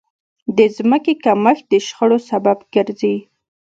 د ځمکې کمښت د شخړو سبب ګرځي.